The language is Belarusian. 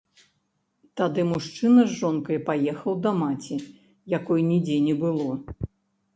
Тады мужчына з жонкай паехаў да маці, якой нідзе не было.